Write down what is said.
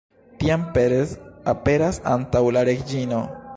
Tiam Perez aperas antaŭ la reĝino.